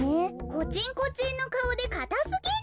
コチンコチンのかおでかたすぎる。